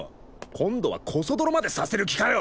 今度はコソ泥までさせる気かよ！